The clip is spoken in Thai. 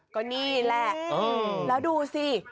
ก็นี่แหละแล้วดูสิ